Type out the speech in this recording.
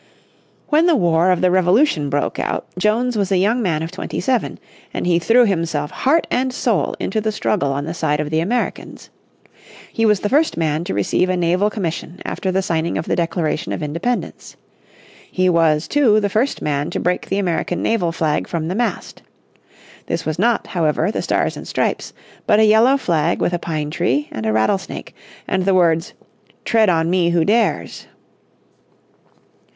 When the War of the Revolution broke out Jones was a young man of twenty seven, and he threw himself heart and soul into the struggle on the side of the Americans. He was the first man to receive a naval commission after the signing of the Declaration of Independence. He was, too, the first man to break the American naval flag from the mast. This was not, however, the Stars and Stripes, but a yellow flag with a pine tree and a rattlesnake, and the words, "Tread on me how dares."